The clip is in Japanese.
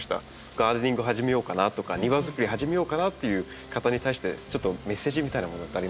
ガーデニング始めようかなとか庭づくり始めようかなっていう方に対してちょっとメッセージみたいなものってありますか？